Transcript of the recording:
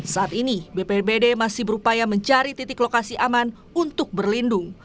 saat ini bpbd masih berupaya mencari titik lokasi aman untuk berlindung